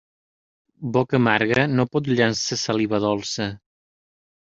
Boca amarga no pot llançar saliva dolça.